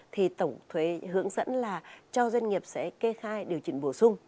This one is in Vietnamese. thì tổng thuế hướng dẫn là cho doanh nghiệp sẽ kê khai điều chỉnh bổ sung